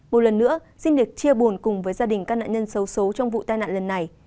một lần nữa xin được chia buồn cùng với gia đình các nạn nhân xấu số trong vụ tai nạn lần này